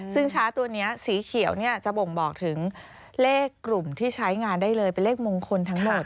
ซึ่งเลขกลุ่มที่ใช้งานได้เลยเป็นเลขมงคลทั้งหมด